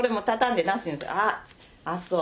ああっそう。